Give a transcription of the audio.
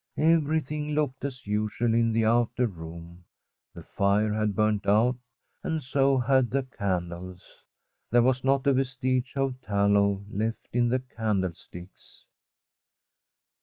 Everything looked as usual in the outer room ; the fire had burnt out, and so had the candles. There was not a vestige of tallow left in the candlesticks.